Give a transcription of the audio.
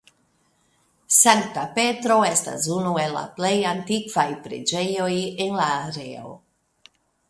Sankta Petro estas unu el la plej antikvaj preĝejoj en la areo.